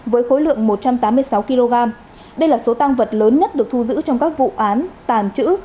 với khối lượng một trăm tám mươi sáu kg đây là số tăng vật lớn nhất được thu giữ trong các vụ án tàn trữ